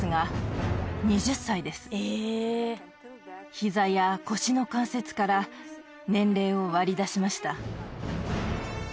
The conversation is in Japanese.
膝や腰の関節から年齢を割り出しました。